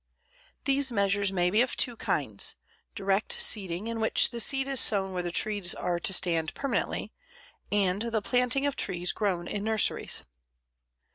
These measures may be of two kinds direct seeding, in which the seed is sown where the trees are to stand permanently, and the planting of trees grown in nurseries.